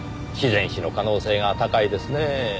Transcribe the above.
自然死の可能性が高いですねぇ。